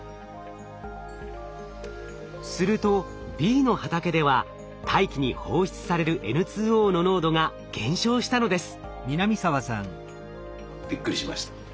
するとＢの畑では大気に放出されるＮＯの濃度が減少したのです。